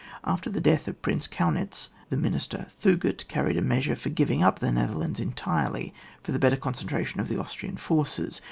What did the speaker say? After the death of Prince Kaunitz, the Minister Thug^t carried a measure for giving up the Netherlands entirely, for the better concentration of the Austrian forces.